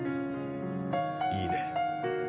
いいね。